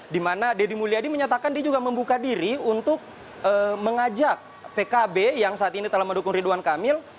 di mana deddy mulyadi menyatakan dia juga membuka diri untuk mengajak pkb yang saat ini telah mendukung ridwan kamil